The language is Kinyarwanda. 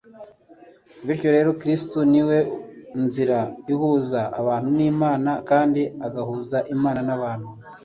Bityo rero Kristo ni we Nzira ihuza abantu n'Imana kandi agahuza Imana n'abantu